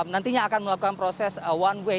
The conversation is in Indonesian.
nantinya akan melakukan proses one way